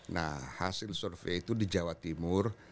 nah hasil survei itu di jawa timur